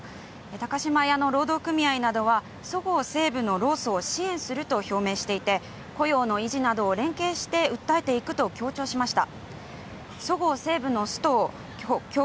高島屋の労働組合などはそごう・西武の労組を支援すると表明していて、雇用の維持など連係して訴えていくと強調しました。